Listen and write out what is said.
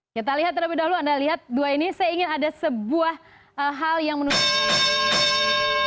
kita lihat terlebih dahulu anda lihat dua ini saya ingin ada sebuah hal yang menunjukkan